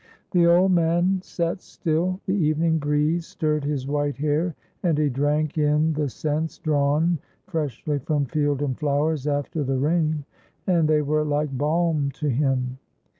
The old man sat still. The evening breeze stirred his white hair, and he drank in the scents drawn freshly from field and flowers after the rain, and they were like balm to him.